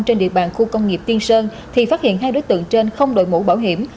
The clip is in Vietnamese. trên địa bàn khu công nghiệp tiên sơn thì phát hiện hai đối tượng trên không đội mũ bảo hiểm